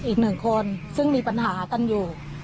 อีกหนึ่งคนซึ่งมีปัญหากันอยู่